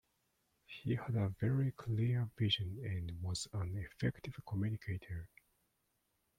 He had a very clear vision and was an effective communicator.